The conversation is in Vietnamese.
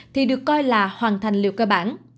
thì được coi là hoàn thành liều cơ bản